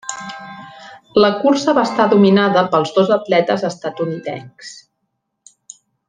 La cursa va estar dominada pels dos atletes estatunidencs.